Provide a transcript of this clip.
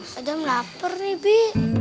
kadang lapar nih bi